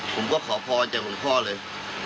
ผมก็ขอพรจากหลวงพ่อเลย